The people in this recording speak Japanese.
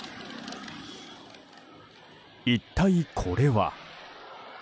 一体これは。